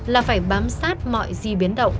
là phải bám sát mọi di biến động